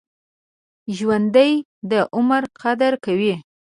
ژوندي د عمر قدر کوي